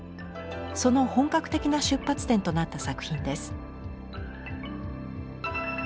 その本格的な出発点となった作品です。